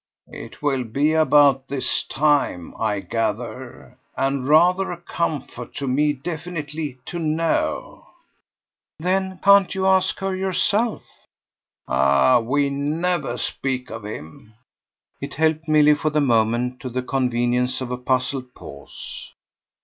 "It will be about his time, I gather, and rather a comfort to me definitely to know." "Then can't you ask her yourself?" "Ah we never speak of him!" It helped Milly for the moment to the convenience of a puzzled pause.